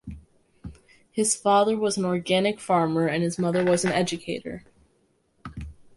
His father was an organic farmer and his mother was an educator.